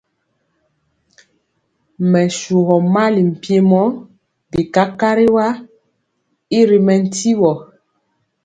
Mɛ tyugɔ mali mpiemɔ bi kakariwa y ri mɛntiwɔ.